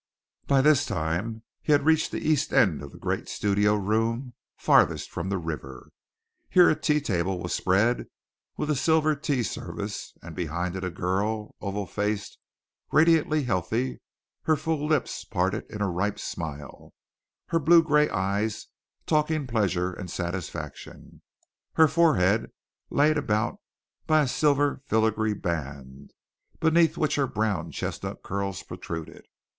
By this time he had reached the east end of the great studio room, farthest from the river. Here a tea table was spread with a silver tea service, and behind it a girl, oval faced, radiantly healthy, her full lips parted in a ripe smile, her blue gray eyes talking pleasure and satisfaction, her forehead laid about by a silver filigree band, beneath which her brown chestnut curls protruded.